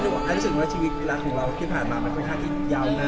รู้สึกว่าชีวิตเวลาของเราที่ผ่านมามันก็เหมือนความที่ยาวนะ